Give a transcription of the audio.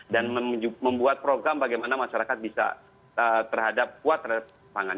dan membuat program bagaimana masyarakat bisa terhadap kuat terhadap pangan